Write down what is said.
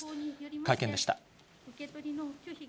会見でした。